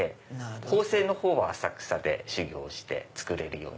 縫製のほうは浅草で修業して作れるように。